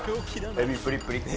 エビプリプリ。